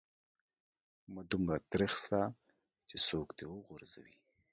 مه دومره تريخ سه چې څوک دي و غورځوي.